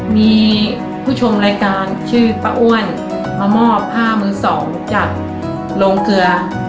มีผู้ชมรายการชื่อป้าอ้วนมามอบผ้ามือสองจากโรงเกลือ